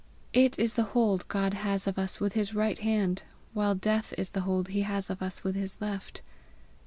It is the hold God has of us with his right hand, while death is the hold he has of us with his left.